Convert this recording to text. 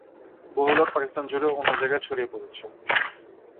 বহু লোক পাকিস্তান জুড়ে অন্য জায়গায় ছড়িয়ে পড়েছে।